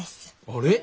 あれ？